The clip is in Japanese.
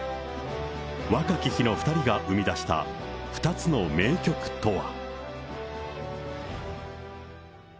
若き日の２人が生み出した２つの名曲とは。